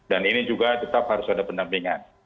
dan ini juga tetap harus ada penampingan